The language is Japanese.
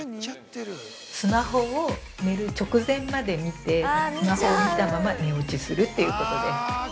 スマホを寝る直前まで見て、スマホを見たまま寝落ちするっていうことです。